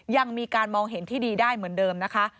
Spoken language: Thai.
ยังมีการมองเห็นที่ดีได้เหมือนเดิมนะคะ